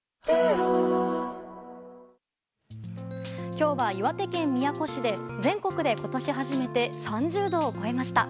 今日は岩手県宮古市で全国で今年初めて３０度を超えました。